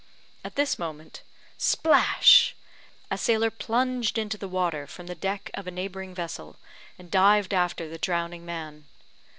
At this moment splash! a sailor plunged into the water from the deck of a neighbouring vessel, and dived after the drowning man.